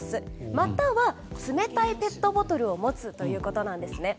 または、冷たいペットボトルを持つということです。